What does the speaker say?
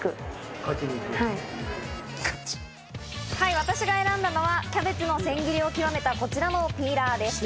私が選んだのはキャベツの千切りをきわめた、こちらのピーラーです。